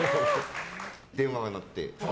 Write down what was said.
電話が鳴って。